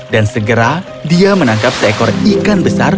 dan segera dia menangkap seekor ikan besar